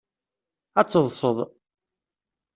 Ad teḍṣeḍ.